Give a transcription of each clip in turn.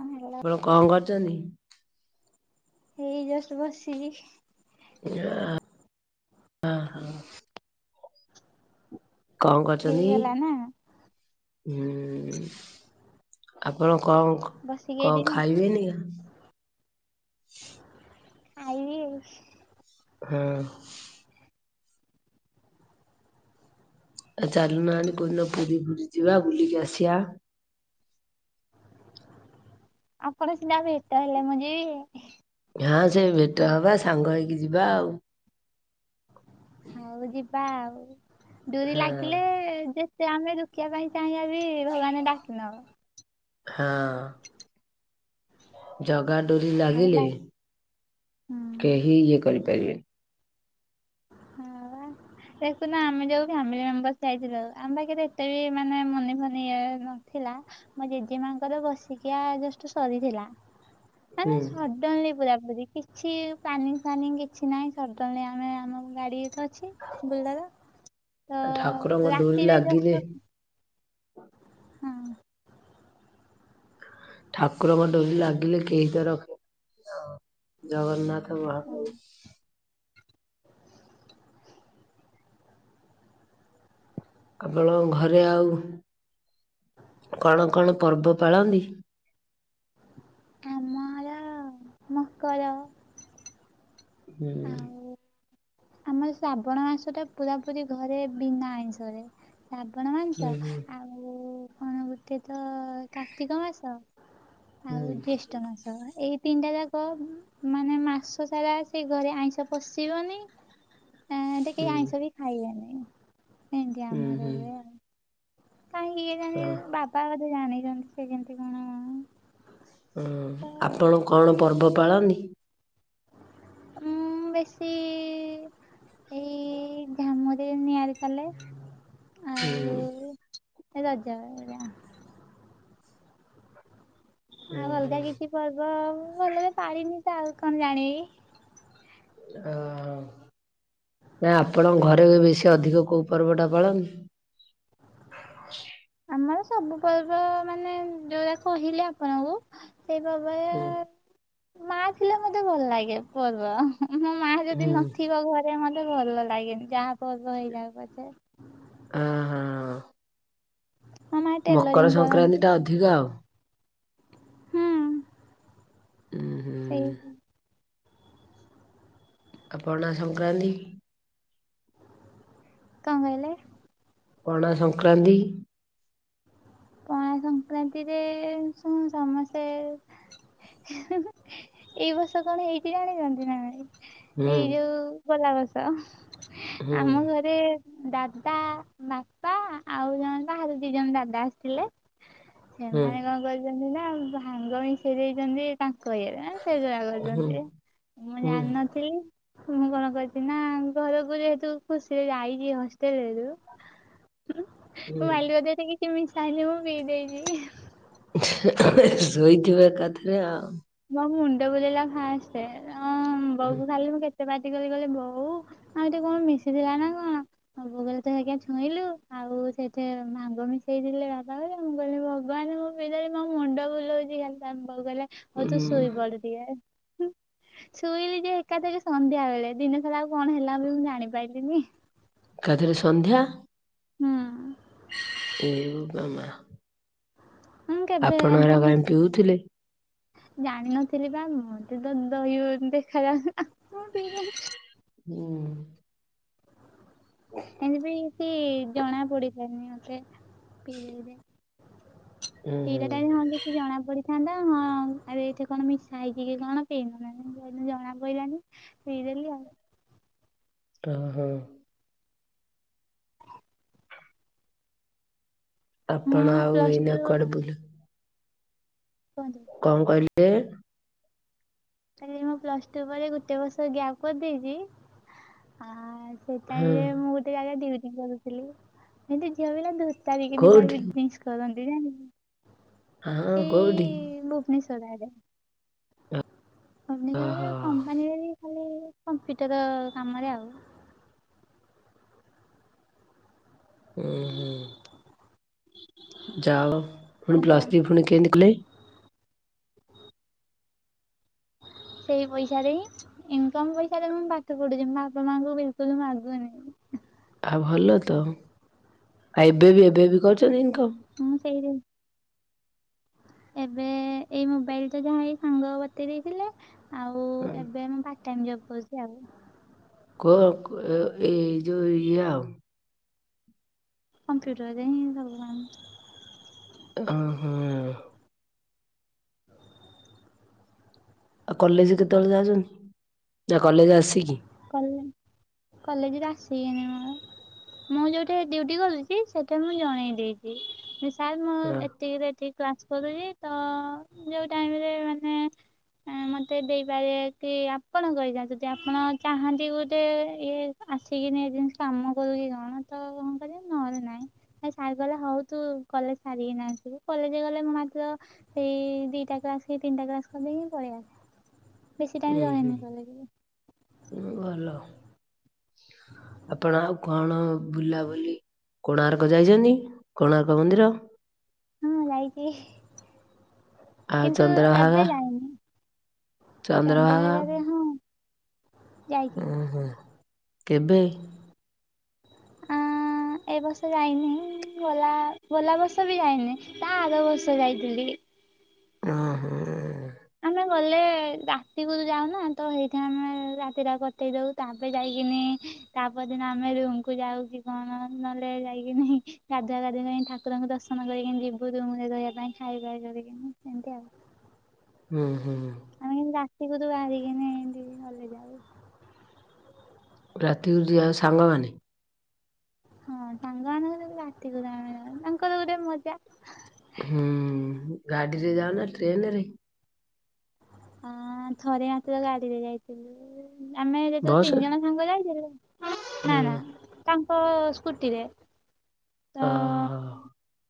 ହେଲା ଆପଣ କଣ କରୁଛନ୍ତି? ଏଇ ଜଷ୍ଟ ବସିକି ହଁ ହଁ। କଣ କରୁଛନ୍ତି? ହେଇଗଲା ନା ହୁଁ ଆପଣ କଣ ବସିକି ଏଇଠି କଣ ମୁଁ ଖାଇବେନି? ଆଇବି ଆଉ। ହଁ। ଚାଲୁନାହାନ୍ତି କୋଊଦିନ ପୁରୀ ପୁରୀ ଯିବା ବୁଲିକି ଆସିବା। ଆପଣ ସିନା ଭେଟ ହେଲେ ମୁଁ ଯିବି। ହଁ ସେ ଭେଟ ହବା ସାଙ୍ଗ ହେଇକି ଯିବା ଆଉ। ହଉ ଯିବା ଆଉ ଡୁରି ହଁ ଲାଗିଲେ ଯେ ସେ ଆମେ ଦୁଖିବା ପାଇଁ ଚାହିଁବା ବି ଭଗବାନ ଡାକିନଉ। ହଁ। ଜଗା ଡୋରି ଲାଗିଲେ ହଉଲା ହୁଁ କେହି ଇଏ କରିପାରିବେନି। [inaudible] ଦେଖୁନା ଆମେ ଯୋଉ ଫ୍ୟାମିଲି ମେମ୍ବର ଯାଇଥିଲୁ। ଆମ ପାଖରେ ଏତେ ବି ମାନେ ମନି ଫନି ଇଏ ନ ଥିଲା ମୋ ଜେଜେ ମାଙ୍କର ବର୍ଷିକିଆ ଜଷ୍ଟ ସରିଥିଲା। ମାନେ ହୁଁ ସ ସଡନଲି ପୁରାପୁରି କିଛି ପ୍ଲାନିଂ ଫ୍ଲାନିନ୍ଗ କିଛି ନାହିଁ। ସଡନଲି ଆମେ ଆମ ଗାଡି ତ ଅଛି। ବୁଲାର ତ ଠାକୁରଙ୍କ ଡୋରି ରାତିରେ ଯୋଉ ଲାଗିଲେ ସବୁ ହଁ। ଠାକୁରଙ୍କ ଡୋରି ଲାଗିଲେ କେହି ତ ରଖି [inaudible] ଜଗନ୍ନାଥ ଆପଣ ଘରେ ଆଉ କଣ କଣ ପର୍ବ ପାଳନ୍ତି? ଆମର ମକର। ହୁଁ ଆଉ ଆମର ଶ୍ରାବଣ ମାସ ଟା ପୁରା ପୁରି ଘରେ ବିନା ଆଇଁଷରେ। ଶ୍ରାବଣ ମାଂସ ହୁଁ ହୁଁ। ଆଉ ଆଉ କଣ ଗୋଟେ ତ କାର୍ତ୍ତିକ ମାସ ହୁଁ ଆଉ ଜ୍ୟେଷ୍ଠ ମାସ। ତ ଏଇ ତିନିଟା ଯାକ ମାନେ ମାସ ସାରା ସେ ଘରେ ଆଇଁଷ ପଶିବନି। ନା ହୁଁ ଟିକିଏ ଆଇଁଷ ବି ଏଇତିଆ ହୁଁ ଆମର ହୁଁ ହୁଏ। କାଇଁକି କେଜାଣି ହଁ କହା କଥା ଜାଣିଛନ୍ତି ସେ କେମିତି କଣ? ହଁ ତ ଆପଣ କଣ ପର୍ବ ପାଳନ୍ତି? ଉଁ ବେଶୀ ଏଇ ଝାମୁରେ ନିଆଁ ରେ ଚାଲେ। ଆ ହୁଁ। ଏ ତଜ [inaudible] ଆଉ ହୁଁ ଅଲଗା କିଛି ପର୍ବ ଭଲ ପାଳିିନି ତ ଆଉ କଣ ଜାଣିବି। ଓ ନା ଆପଣଙ୍କ ଘରେ ବି ବେଶୀ ଅଧିକ କୋଉ ପର୍ବ ଟା ପାଳନ। ଆମର ସବୁ ପର୍ବ ମାନେ ଯୋଉରା କହିଲେ ଆପଣଙ୍କୁ ସେଇ ପର୍ବରେ ହୁଁ। ମା ଥିଲେ ମତେ ଭଲ ଲାଗେ ପର୍ବ ହୁ ହୁମ୍ ମୋ ମା ଯଦି ହୁଁ ନଥିବ ଘରେ ସେ ମତେ ଭଲ ଲାଗେନି ଯାହା ପର୍ବ ହେଇଯାଉ ପଛେ। ଆଁ ହଁ। ମୋ ମା ମକର ଟେଲରିଂ ସଂକ୍ରାନ୍ତି କରନ୍ତି ଟା ଅଧିକା ଆଉ। ହୁଁ ହୁଁ। ସେଇ ଆ ପଣା ସଂକ୍ରାନ୍ତି କଂ କହିଲେ? ପଣା ସଂକ୍ରାନ୍ତି ପଣା ସଂକ୍ରାନ୍ତିରେ ଶୁଣ ସମସେ ଏଇ ବର୍ଷ କଣ ହେଇଚି ଜାଣିଚନ୍ତି ନା ନାଇଁ। ହୁଁ ଏଇ ଯୋଉ ଗୋଲାବସ ହୁଁ ଆମ ଘରେ ଦାଦା ବାପା ଆଉ ଜ ବାହାରୁ ଦି ଜଣ ଦାଦା ଆସିଥିଲେ ହୁଁ ସେମାନେ କଣ କରିଛନ୍ତି ନା ଭାଙ୍ଗ ମିଶେଇ ଦେଇଛନ୍ତି ତାଙ୍କ ଇଏରେ ସେ ଜଉରା ହୁଁ କରିଛନ୍ତି ମୁଁ ହୁଁ। ଜାଣିନଥିଲି ମୁଁ କଣ କରିଚିନା ଘରକୁ ଯେହେତୁ ଖୁସିରେ ଯାଇଛି ହଷ୍ଟେଲରୁ [inaudible] [unintelligible] ମୁଁ ପି ଦେଇଚି। ଶୋଇଥିବ ଏକାଥରେ ଆଉ। ମୋ ମୁଣ୍ଡ ବୁଲେଇଲା ଫାଷ୍ଟେ ଉଁ ବଉ କୁ ଖାଲି ମୁଁ କେତେ ପାଟିକଲି କଇଲି ବୋଉ ଆଉ ଏଇଟି କଣ ମିଶିଥିଲା ନା କଣ? ମୋ ବୋଉ କହିଲା ତୁ ଏରା କାଇଁ ଛୁଇଁଲୁ ଆଉ ସେଇଥିରେ ଭାଙ୍ଗ ମିଶେଇଥିଲେ ବାପା ଭାରିକା ମୁଁ କହିଲି ଭଗବାନ ମୁଁ [unintelligible] ମୋ ମୁଣ୍ଡ ବୁଲଉଛି ଖାଲି ତା ବୋଉ କହିଲା ହଉ ତୁ ହୁଁ ଶୋଇ ପଡ। ଶୁଇଲି ଯେ ଏକାଥରେ ସନ୍ଧ୍ୟା ବେଳେ ଦିନ ସାରା ଆଉ କଣ ହେଲା ବି ମୁଁ ଜାଣିପାଇଲିନି। ଏକାଥରେ ସନ୍ଧ୍ୟା ହୁଁ। ଏ ବୋପା ମା! ମୁଁ କେବେ ଆପଣ ହେରା କାଇଁ [unintelligible] ପିଉଥିଲେ? ଜାଣିିନଥିଲି ବା ମତେ ତ ଦହି ବଲି ଦେଖାଯାଉ ଆ ମୁଁ ପିଇଦେଲି ହୁଁ। ହ ହେନ୍ତି ବି କିଛି ଜଣା ପଡିଲାନି ମତେ ପିଇଲି ଯେ ଉୁଁ ହୁଁ ପିିଇଲା ଟାଇମ ହଁ [unintelligible] ଜଣା ପଡିଥାନ୍ତା ହଁ ଆରେ ଏଇଠି କଣ ମିଶା ହେଇଚି କି କଣ ପିଇ ନଥାନ୍ତି ଜଣା ପଇଲାନି ପିଇଦେଲି ଆଉ ଅହଁ। ଆପଣ ମୁଁ ଆଉ ପ୍ଲସ ଏଇନା ଟୁ କୁଆଡେ ପାଇଁ ବୁଲି କୁହନ୍ତୁ? କଣ କହିଲେ? ତାପରେ ମୁଁ ପ୍ଲସ ଟୁ ପରେ ଗୋଟେ ବର୍ଷ ଗ୍ୟାପ୍ କରିଦେଇଛି। ଆ ସେଇ ହଁ ଟାଇମରେ ମୁଁ ଗୋଟେ ଜାଗାରେ ଡିଉଟି କରୁଥିଲି କିନ୍ତୁ ଝିଅ ପିଲା ଧୁ ତା କୋଉଠି [unintelligible] ଡିଙ୍କ୍ କରନ୍ତି। ଯା ହଁ କଉଠି? ନିସଢାରେ ଓହୋ [unintelligible] କମ୍ପାନୀରେ ବି ଖାଲି କମ୍ପ୍ୟୁଟର କାମରେ ଆଉ। ହୁଁ ହୁଁ। ଯାଆ ହଉ ଫୁଣି ହ୍ୟାଲୋ। ପ୍ଲସ ଥ୍ରୀ ପୁଣି କେମିତି କଲେ? ସେଇ ପଇସାରେ ହିଁ ଇନକମ ପଇସାରେ ମୁଁ ପାଠ ପଢୁଛି ବାପା ମାଙ୍କୁ ବିଲକୁଲ ମାଗୁନି। ଆଉ ଭଲତ ଆଉ ଏବେବି ଏବେବି କରୁଛନ୍ତି ଇନକମ? ହଁ ସେଇରେ ଏବେ ଏଇ ମୋବାଇଲ ଟା ଯାହା ଏଇ ସାଙ୍ଗ ବତେଇ ଦେଇଥିଲେ ଆଉ ଏବେ ମୁଁ ପା ପାଟଟାଇମ ଜବ କରୁଛି ଆଉ। କଉ କୋ ଏଇ ଯଉ ଇଏ କମ୍ପ୍ୟୁଟରରେ ହିଁ ସବୁ କାମ। ଓ ହଁ। ଆଉ କଲେଜ କେତେବେଳେ ଯାଉଛନ୍ତି ନା କଲେଜ ଆସିକି? କଲେଜ କଲେଜରୁ ଆସିକିନାମ। ମୁଁ ଯୋଉଠି ଡିଉଟି କରୁଛି ସେଇଠି ମୁଁ ଜଣେଇ ଦେଇଛି। ସାର୍ ମୁଁ ହଁ ଏତିକିରୁ ଏତିକି କ୍ଲାସ୍ କରୁଛି ତ ଯୋଉଁ ଟାଇମରେ ମାନେ ମତେ ଦେଇପାରିବେ କି? ଆପଣଙ୍କ ଇଛା ଜଦି ଆପଣ ଚାହାନ୍ତି ଗୋଟେ ଇଏ ଆସିକିନି ଯେ କାମ କରୁଛି କଣ ତ ହଁ କରିବେ ନହେଲେ ନାହିଁ। ହେ ସାର୍ କହିଲା ହଉ ତୁ କଲେଜ ସାରିକିନା ଆସିବୁ କଲେଜ ଗଲେ ମ ମାର୍କ ସେଇ ଦିଟା କ୍ଲାସ କି ତିନିଟା କ୍ଲାସ କରିଦେଇକି ପଳେଇବା। ହୁଁ ହୁଁ, ଭଲ। ଆପଣ ଆଉ କଣ ବୁଲାବୁଲି? କୋଣାର୍କ ଯାଇଛନ୍ତି କୋଣାର୍କ ମନ୍ଦିର? ହଁ ଯାଇଛି। ଆଉ କିନ୍ତୁ ଚନ୍ଦ୍ରଭାଗା ଏବେ ଯାଇନ, ଚନ୍ଦ୍ରଭାଗା ଚନ୍ଦ୍ରଭାଗାର, ହଁ ଯାଇଛି ହଁ ହଁ, କେବେ? ହ ଆଁ ଏ ବର୍ଷ ଯାଇନି ଗଲା ଗଲା ବର୍ଷ ବି ଯାଇନି ତା ଆଗ ବର୍ଷ ଯାଇଥିଲି। ହଁ ହଁ ଆମେ ଗଲେ ରାତିକୁ ତ ଯାଉନା, ତ ହେଇଥି ଆମେ ରାତିରେ କଟେଇ ଦଉ ତାପରେ ଯାଇକିନି ତା ପରଦିନ ଆମେ ରୁମକୁୁ ଯାଉ କି କଣ ନହେଲେ ଯାଇକିନି ଗାଧୁଆ ଗାଧିକିନି ଠା ଠାକୁରଙ୍କୁ ଦର୍ଶନ କରିକି ଯିବୁ ରୁମରେ ରିହିବା ପାଇଁ ଖାଇବା ଧରିକିନା ସେମିତି ଆଉ। ହୁଁ ହୁଁଁ ଆମେ କିନ୍ତୁ ରାତିକୁ ତ ବାହାରିକିନି ଏମତି ନହଲେ ଯାଉ। ରାତିକୁରୁ ଯାଅ ସାଙ୍ଗମାନେ? ହଁ ସାଙ୍ଗ ମାନଙ୍କର ସହିତ ରାତିକୁ ଆମେ ଯାଉ ତାଙ୍କର ଗୋଟେ ମଜା। ହୁଁ, ଗାଡିରେ ଯାଅ ନା ଟ୍ରେନ ରେ? ହଁ ଥରେ ୟାଙ୍କର ଗାଡିରେ ଯାଇଥିଲୁ, ଆମେ ଯେତବେଳେ ତିନି ବସରେ ଜଣ ସାଙ୍ଗ ଯାଇଥିଲୁ ନା ହୁଁ ନା ତାଙ୍କ ସ୍କୁଟିରେ। ଓ ତ ହୋ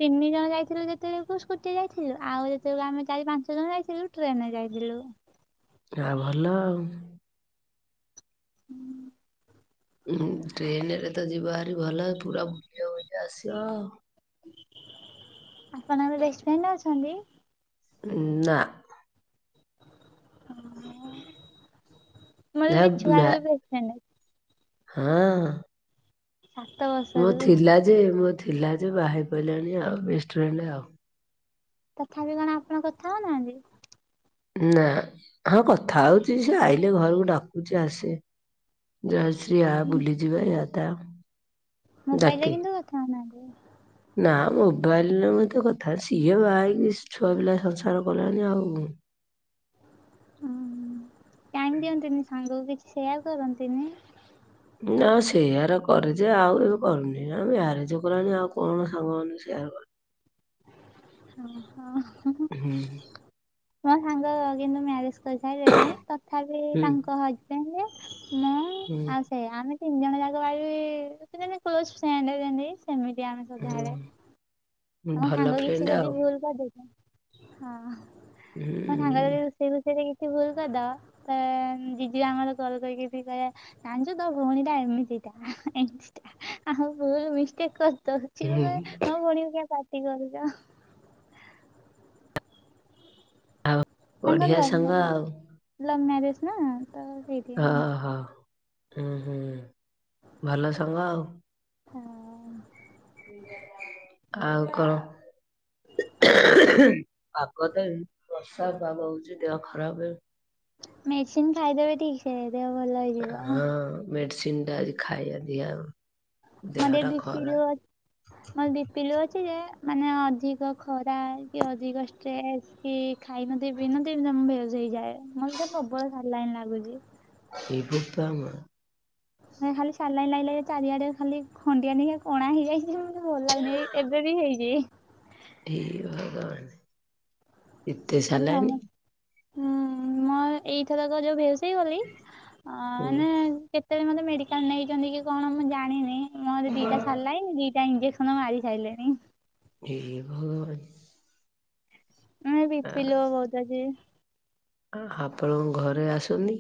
ତିନି ଜଣ ଯାଇଥିଲୁ ଯେତେବେଳକୁ ସ୍କୁଟିରେ ଯାଇଥିଲୁ, ଆଉ ଯେତେବେଲେ ଆମେ ଚାରି ପାଞ୍ଚ ଜଣ ଯାଇଥିଲୁ ଟ୍ରେନରେ ଯାଇଥିଲୁ। ହା ଭଲ ଆଉ ହୁଁ ହୁଁ ଟ୍ରେନ ରେ ତ ଯିବା ଭାରି ଭଲ ପୁରା ବୁଲିବା ବୁଲି ଆସିବ। ଆପଣର ବେଷ୍ଟଫ୍ରେଣ୍ଡ ଅଛନ୍ତି? ଉମ ନା। ହ [inaudible] ହଁ ସାତ ବର୍ଷ ମୋ ଥିଲା ଯେ ମୋ ଥିଲା ଯେ ବାହା ହେଇ ପଡ଼ିଲେଣି ଆଉ, ବ୍ୟସ୍ତ ରହିଲେ ଆଉ। ତଥାପି କଣ ଆପଣ କଥା ହଉନାହାନ୍ତି? ନା, ହଁ କଥା ହଉଛି ଯେ, ଆଇଲେ ଘରକୁ ଡାକୁଛି ଆସେ ଜୟଶ୍ରୀ ଆ ବୁଲିଯିବା ୟାତା, ମୋବାଇଲରେ କିନ୍ତୁ କଥା ହେଉ ନାହାନ୍ତି? ନା ମୋବାଇଲରେ ମୁ ତ କଥା ସିଏ ବାହା ହେଇକି ଛୁଆ ପିଲା ସଂସାର କଲାଣି ଆଉ। ହଁ ଟାଇମ ଦିଅନ୍ତିନି ସାଙ୍ଗକୁ କିଛି ସେୟାର କରନ୍ତିନି? ନା ସେୟାର କରୁଛେ ଆଉ ଏବେ କରୁନି, ଆମେ ଆର ଜଉ କରାଯାଏ ଆଉ କଣ ସାଙ୍ଗ ମାନେ ସେୟାର କର ହଁ ହଁ ହୁଁ ହୁଁ ମୋ ସାଙ୍ଗ ମାନେ ମ୍ୟାରେଜ କରି ସାରିଲେଣି ତଥାପି ହୁଁ ତାଙ୍କ ହଜବେଣ୍, ମୁଁ ହୁଁ ସେୟା ଆମେ ତିନି ଜଣ ଯାକ ବାକି ସ୍କୁଲରେ ବି କ୍ଲୋଜ ଫ୍ରେଣ୍ଡ ଯେମିତି ସେମିତି ଆମେ ସଦାବେଳେ। ହୁଁ ଆମ ଭଲ ସାଙ୍ଗକୁ କିଛି ଫ୍ରେଣ୍ଡ ଯଦି ଆଉ ଭୁଲ କରିଦେଇଥାଏ, ହଁ ମୋ ସାଙ୍ଗ ଯଦି ହୁଁ ସେ ରୋଷଇରେ କିଛି ଭୁଲ କରିଦେବ, ତ ଜିଜୁ ଆମର କଲ୍ କରିକି ଏଠି କହିବ ଜାଣିଛୁ ତୋ ଭଉଣୀଟା ଏମିତିଟା, ଏମତିଟା, ଆ ଭଲ ମିଷ୍ଟେକ୍ କରି କହୁଥିବୁ ହୁଁ ଯେ ମୋ ଭଉଣୀ କୁ କଣ ପାଟି କରୁଛ? ଆଉ ବଢିଆ ତାଙ୍କର ଲ ସାଙ୍ଗ ଲ ମ୍ୟାରେଜ ନା ତ ସେଇ ହଁ ହଁ ହଁ ହୁଁ ଭଲ ସାଙ୍ଗ ଆଉ। ହଁ ଅଁ ଆଉ କ? ପାଗ ତ ଏ ବର୍ଷା ପାଗ ହଉଛି, ଦେହ ଖରାପ ମେଡ଼ିସିନ୍ ଖାଇଦେଲେ ଠିକ ସେ ଦେହ ଭଲ ହେଇଯିବ ହଁ ଅଁ ମେଡ଼ିସିନଟା ଆଜି ଖାଇବା ଦିଆ ଯିବ। ମତେ ଭିତିରିଆ ମୋର ବିପି ଲୋ ଅଛି ଯେ, ମାନେ ଅଧିକ ଖରା କି ଅଧିକ ଷ୍ଟ୍ରେସ୍ କି ଖାଇନାନ୍ତି, ପିଇନାନ୍ତି, ନା ମୁଁ ମେରେଜ କୁ ଯାଏ, ମୋତେ ତ ପ୍ରବଳ ସାଲାଇନ୍ ଲାଗୁଛି। ଶୋଇପଡ ତାହାଲେ। ଖାଲି ସାଲାଇନ ଲାଗିଲେ, ଚାରିଆଡେ ଖାଲି ଖଣ୍ଡିଆ ନୁହୁଁ କଣା ହେଇଯାଇଛି ଯେ, ମତେ ଭଲ ଲାଗୁନି। ଏବେ ବି ହେଇ [unintelligible] ହେ ଭଗବାନ। ଏତେ ଖାଲି ସାଲାଇନି କାମ, ନାଇଁ ଏଇଥରକ ଯୋଉ ଭ ହେଇ ଗଲି, ହୁଁ [unintelligible] କେତେବେଳେ ମୋତେ ମେଡ଼ିକାଲ ନେଇଛନ୍ତି କି କଣ ମୁଁ ଜାଣିନି? ମୁହଁରେ ଦିଟା ସାଲାଇନି, ଦିଟା ଇଞ୍ଜେକସନ ମାରି ସାରିଲେଣି। ହେ ଭଗବାନ। ହୁଁ ବିପି ଲୋ ବହୁତ ଅଛି। ଆପଣଙ୍କ ଘରେ ଆସୁନି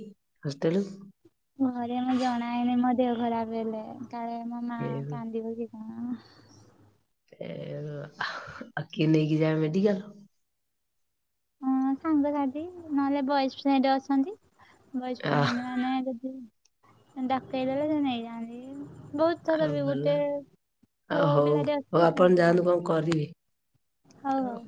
ହଷ୍ଟେଲୁ? ଘରେ ମୁଁ ଜଣାଏନି ମୋ ଦେହ ଖରାପ ହେଲେ, କାଳେ ମା ଏହୁଁ [unintelligible] ଏ ବାପା, ଆ କିଏ ନେଇକି ଯାଏ ମେଡିିକାଲ? ହ ସାଙ୍ଗସାଥି ନହେଲେ ବୟଫ୍ରେଣ୍ଡ ଅଛନ୍ତି। ବୟ ଆ ଫ୍ରେଣ୍ଡ ମାନେ ଯଦି ଡକେଇ ଦେଲେ, ସେ ନେଇଯାଆନ୍ତି, ବହୁତ ଆଉ [unintelligible] ବି ଭଲ ଗୋଟେ ଆଉ ପୁଅ ହଉ ପିଲାଟେ ହଉ ଅଛି ଆପଣ ଯାଆନ୍ତୁ କଣ [unintelligible] କରିବେ ହଉ ହଉ।